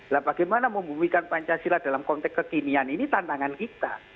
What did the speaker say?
nah bagaimana membumikan pancasila dalam konteks kekinian ini tantangan kita